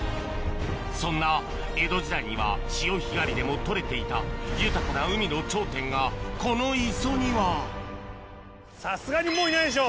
そんな江戸時代には潮干狩りでも取れていた豊かな海の頂点がこの磯にはさすがにもういないでしょ。